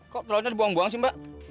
kok telurnya dibuang buang sih mbak